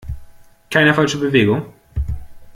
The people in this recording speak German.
Keine falsche Bewegung!